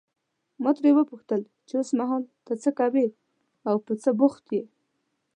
ما ترې وپوښتل چې اوسمهال ته څه کوې او په څه بوخت یې.